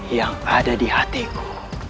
yang ada di hatiku